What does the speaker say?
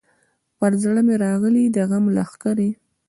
پر زړه مي راغلې د غم لښکري